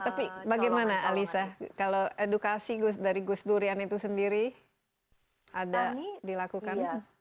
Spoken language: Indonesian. tapi bagaimana alisa kalau edukasi dari gus durian itu sendiri ada dilakukan